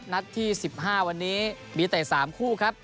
นัดที่๑๕วันนี้มีเตะ๓คู่ครับ